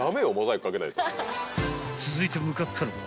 ［続いて向かったのは］